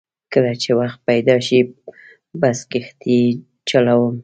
کله چې وخت پیدا شي بس کښتۍ چلوم.